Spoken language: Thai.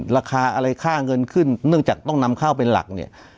ราคาอะไรค่าเงินขึ้นเนื่องจากต้องนำข้าวเป็นหลักเนี่ย